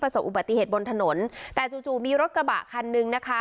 อุบัติเหตุบนถนนแต่จู่จู่มีรถกระบะคันนึงนะคะ